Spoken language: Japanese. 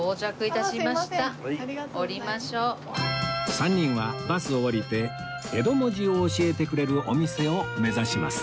３人はバスを降りて江戸文字を教えてくれるお店を目指します